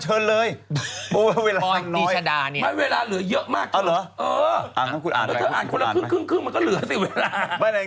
ไหน